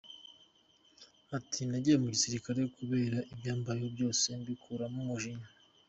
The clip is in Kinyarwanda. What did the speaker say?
Ati “Nagiye mu gisirikare kubera ibyambayeho byose, mbikuramo umujinya.